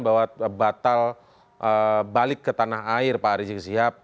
bahwa batal balik ke tanah air pak rizik sihab